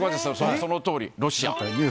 そのとおり、ロシア。